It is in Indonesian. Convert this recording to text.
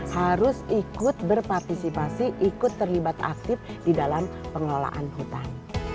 harus ikut berpartisipasi ikut terlibat aktif di dalam pengelolaan hutan